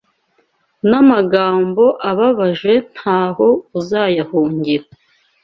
N'amagambo ababaje ntaho uzayahungira